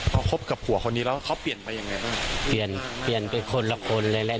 พอคบกับผัวคนนี้แล้วเขาเปลี่ยนไปยังไงบ้างเปลี่ยนเปลี่ยนไปคนละคนหลายอะไร